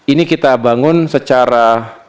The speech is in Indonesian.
ini kita bangun secara